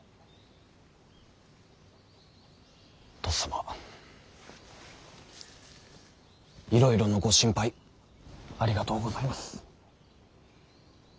とっさまいろいろのご心配ありがとうございます。